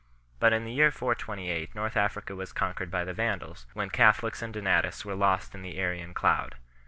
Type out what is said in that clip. But in the year 428 North Africa was conquered by the Vandals, when Catholics and Donatists were lost in the Arian cloud.